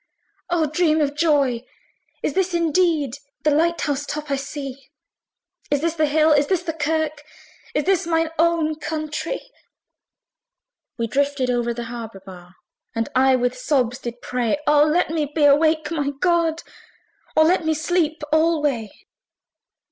Oh! dream of joy! is this indeed The light house top I see? Is this the hill? is this the kirk? Is this mine own countree! We drifted o'er the harbour bar, And I with sobs did pray O let me be awake, my God! Or let me sleep alway.